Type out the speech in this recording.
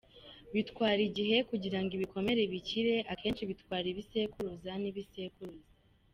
Bitwara igihe kugira ngo ibikomere bikire, akenshi bitwara ibisekuruza n’ibisekuruza.